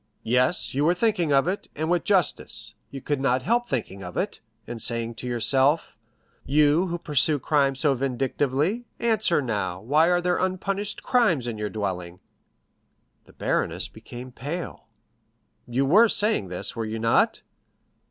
"Yes, you were thinking of it, and with justice. You could not help thinking of it, and saying to yourself, 'you, who pursue crime so vindictively, answer now, why are there unpunished crimes in your dwelling?'" The baroness became pale. "You were saying this, were you not?"